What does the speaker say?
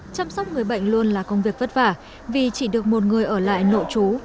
chăm sóc người bệnh luôn là công việc vất vả vì chỉ được một người ở lại nội trú